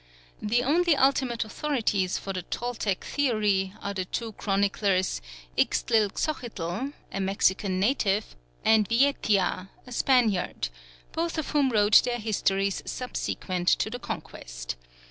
The only ultimate authorities for the Toltec theory are the two chroniclers Ixtlilxochitl (a Mexican native) and Vietia (a Spaniard), both of whom wrote their histories subsequent to the Conquest.